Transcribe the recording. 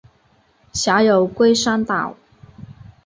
辖有龟山岛。